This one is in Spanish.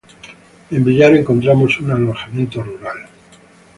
En Villar encontramos un alojamiento rural.